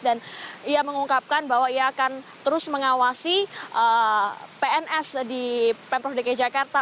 dan ia mengungkapkan bahwa ia akan terus mengawasi pns di pemprov dki jakarta